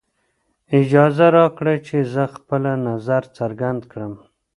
اجازه راکړئ چې زه خپله نظر څرګند کړم.